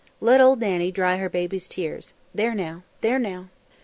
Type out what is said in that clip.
Let old Nannie dry her baby's tears. There how there now!"